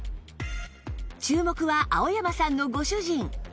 注目は青山さんのご主人